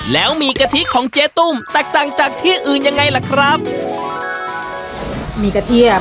แล้วหมี่กะทิของเจตุ้มแตกต่างจากที่อื่นยังไงแหละครับหมี่กะทิอ่ะ